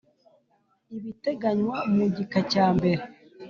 Ibiteganywa mu gika cya mbere